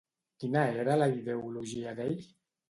Quina era la ideologia d'ell?